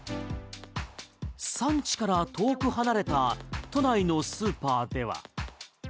産地から遠く離れた都内のスーパーでは。